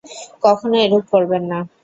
কখনো এরূপ করবেন না।